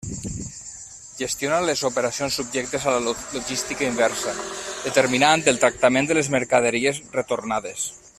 Gestiona les operacions subjectes a la logística inversa, determinant el tractament de les mercaderies retornades.